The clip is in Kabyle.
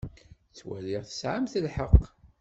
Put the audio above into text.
Ttwaliɣ tesɛamt lḥeqq.